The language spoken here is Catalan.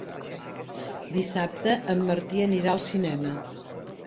Dissabte en Martí anirà al cinema.